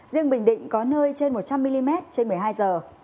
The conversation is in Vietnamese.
riêng bình định có nơi trên một trăm linh mm trên một mươi hai giờ